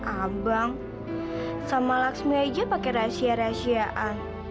abang sama laksmi aja pakai rahasia rahasiaan